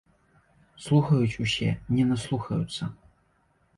Слухаюць усе, не наслухаюцца.